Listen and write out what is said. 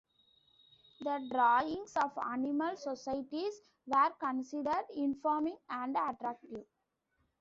The drawings of animal societies were considered "informing and attractive".